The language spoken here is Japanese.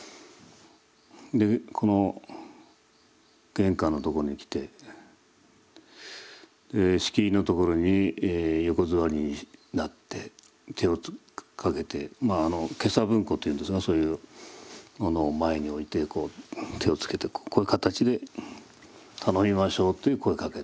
でこの玄関のとこに来て敷居の所に横座りになって手をかけて袈裟文庫というんですがそういうものを前に置いて手をつけてこういう形で「頼みましょう」という声をかけるんですね。